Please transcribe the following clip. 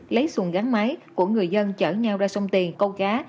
lấy xuồng gắn máy của người dân chở nhau ra sông tiền câu cá